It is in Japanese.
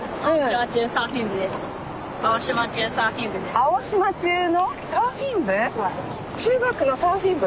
青島中のサーフィン部？